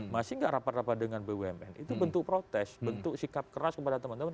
masih nggak rapat rapat dengan bumn itu bentuk protes bentuk sikap keras kepada teman teman